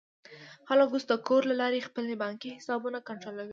خلک اوس د کور له لارې خپل بانکي حسابونه کنټرولوي.